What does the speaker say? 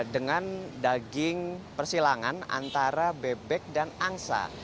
dengan daging persilangan antara bebek dan angsa